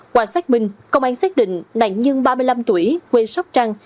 qua xác minh công an xác định nạn nhân ba mươi năm tuổi quê sóc trăng